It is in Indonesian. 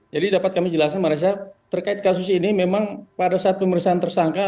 jadi dapat kami jelasin mas resa terkait kasus ini memang pada saat pemerintahan tersangka